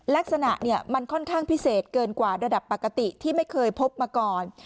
ลักษณะมันค่อนข้างพิเศษเกินกว่าระดับปกติที่ไม่เคยพบมาก่อน